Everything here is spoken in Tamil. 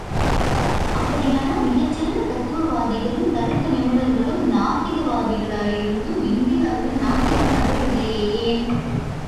அப்படியானால் மிகச் சிறந்த தத்துவ வாதிகளும், தருக்க நிபுணர்களும் நாத்திகவாதிகளாயிருந்தும், இந்தியாவில் நாத்திகம் பரவவில்லையே, ஏன்?